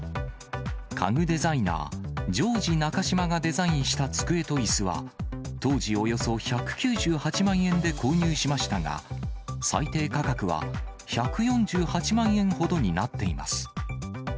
家具デザイナー、ジョージナカシマがデザインした机といすは、当時およそ１９８万円で購入しましたが、最低価格は１４８万円ほどになっています。